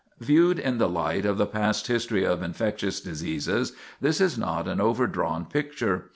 Viewed in the light of the past history of infectious diseases, this is not an overdrawn picture.